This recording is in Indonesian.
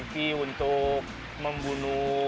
lampu uv untuk membunuh